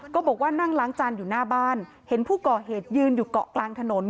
บอกว่านั่งล้างจานอยู่หน้าบ้านเห็นผู้ก่อเหตุยืนอยู่เกาะกลางถนน